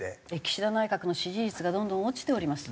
岸田内閣の支持率がどんどん落ちております。